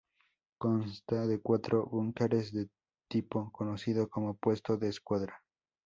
Consta de cuatro búnkeres del tipo conocido como puesto de escuadra.